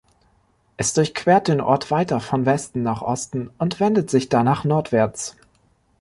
Es durchquert den Ort weiter von Westen nach Osten und wendet sich danach nordwärts.